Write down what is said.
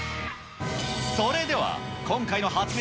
それでは、今回の発明